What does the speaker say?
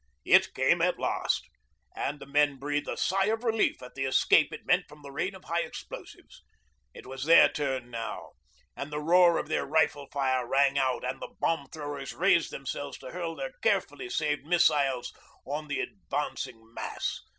It came at last, and the men breathed a sigh of relief at the escape it meant from the rain of high explosives. It was their turn now, and the roar of their rifle fire rang out and the bomb throwers raised themselves to hurl their carefully saved missiles on the advancing mass.